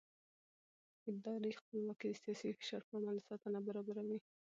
اداري خپلواکي د سیاسي فشار پر وړاندې ساتنه برابروي